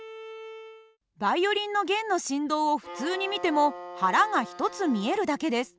バイオリンの弦の振動を普通に見ても腹が１つ見えるだけです。